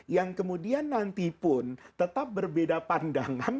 yang kemudian nanti pun tetap berbeda pandangan